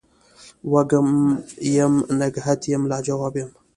وږم یم نګهت یم لا جواب یمه